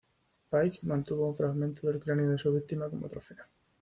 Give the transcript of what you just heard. Pike mantuvo un fragmento del cráneo de su víctima como "trofeo".